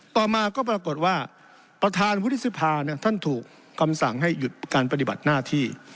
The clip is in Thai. ต่อมาก็ปรากฏว่าประธานวุฒิสภาท่านถูกคำสั่งให้หยุดการปฏิบัติหน้าที่